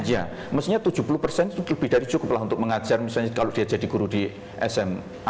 ya mestinya tujuh puluh persen itu lebih dari cukup lah untuk mengajar misalnya kalau dia jadi guru di sma